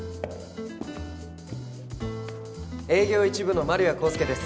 営業一部の丸谷康介です。